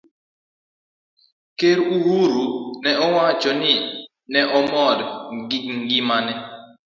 Ker Uhuru ne owacho ni ne omor gi gima ne